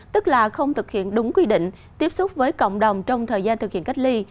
tức là không thực hiện đúng quy định tiếp xúc với cộng đồng trong thời gian thực hiện cách ly